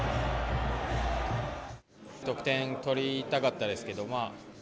得点取りたかったですけれども。